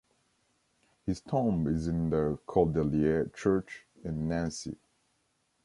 His tomb is in the Cordeliers church in Nancy.